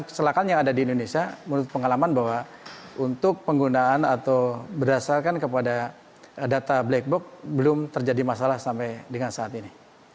kecelakaan yang ada di indonesia menurut pengalaman bahwa untuk penggunaan atau berdasarkan kepada data black box belum terjadi masalah sampai dengan saat ini